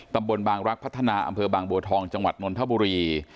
ตำบลบางรักพัฒนาอำเภอบางบัวทองจังหวัดนนทบุรี